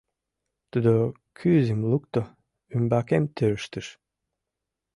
Тудо кӱзым лукто, ӱмбакем тӧрштыш.